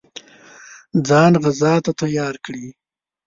ځان غزا ته تیار کړي.